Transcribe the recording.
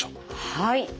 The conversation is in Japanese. はい。